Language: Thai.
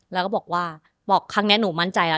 แล้วก็บอกว่าบอกครั้งนี้หนูมั่นใจแล้ว